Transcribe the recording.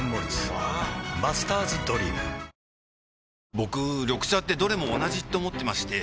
ワオ僕緑茶ってどれも同じって思ってまして